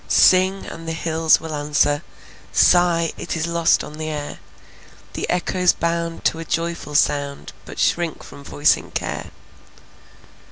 Sing, and the hills will answer; Sigh, it is lost on the air. The echoes bound to a joyful sound, But shrink from voicing care.